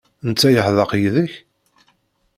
Netta yeḥdeq yid-k?